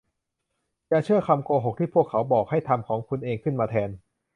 อย่าเชื่อคำโกหกที่พวกเขาบอก ให้ทำของคุณเองขึ้นมาแทน